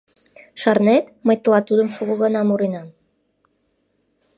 шарнет, мый тылат тудым шуко гана муренам?